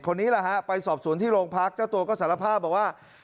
คนนี้แหละฮะไปสอบสวนที่โรงพักเจ้าตัวก็สารภาพบอกว่า